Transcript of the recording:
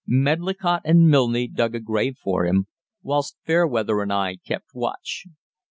Medlicott and Milne dug a grave for him, whilst Fairweather and I kept watch.